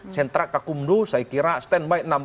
sentra kakumdo saya kira stand by enam puluh empat jam